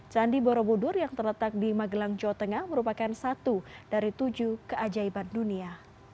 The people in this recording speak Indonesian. candi borobudur yang terletak di magelang jawa tengah merupakan satu dari tujuh keajaiban dunia